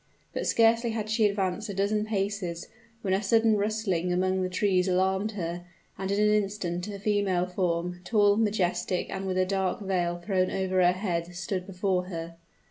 But scarcely had she advanced a dozen paces, when a sudden rustling among the trees alarmed her; and in an instant a female form tall, majestic, and with a dark veil thrown over her head, stood before her.